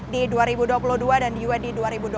di dua ribu dua puluh dua dan juga di dua ribu dua puluh